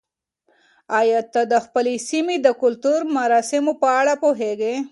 آیا ته د خپلې سیمې د کلتوري مراسمو په اړه پوهېږې؟